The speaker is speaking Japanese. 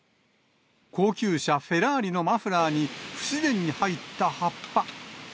高級車、フェラーリのマフラーに不自然に入った葉っぱ。